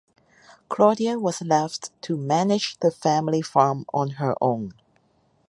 Claudia was left to manage the family farm on her own.